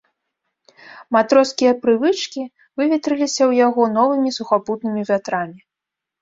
Матроскія прывычкі выветрыліся ў яго новымі сухапутнымі вятрамі.